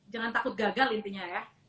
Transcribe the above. jangan takut gagal intinya ya